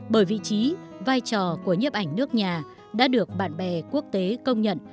bởi vị trí vai trò của nhiếp ảnh nước nhà đã được bạn bè quốc tế công nhận